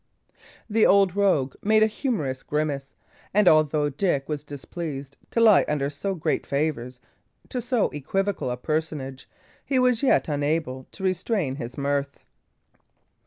The old rogue made a humorous grimace; and although Dick was displeased to lie under so great favours to so equivocal a personage, he was yet unable to restrain his mirth.